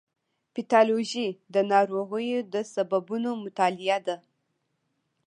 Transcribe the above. پیتالوژي د ناروغیو د سببونو مطالعه ده.